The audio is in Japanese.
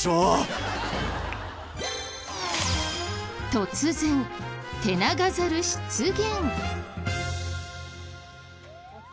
突然テナガザル出現！